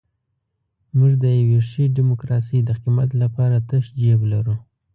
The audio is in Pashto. موږ د یوې ښې ډیموکراسۍ د قیمت لپاره تش جیب لرو.